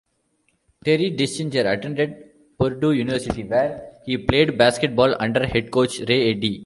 Terry Dischinger attended Purdue University where he played basketball under head coach, Ray Eddy.